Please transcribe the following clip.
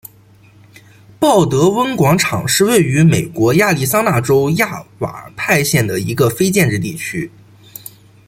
鲍德温广场是位于美国亚利桑那州亚瓦派县的一个非建制地区。